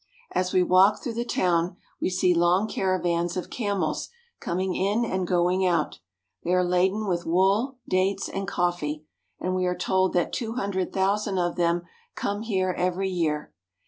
As we walk through the town, we see long caravans of camels coming in and going out. They are laden with wool, dates, and coffee ; and we are told that two hundred thousand of them come here every year.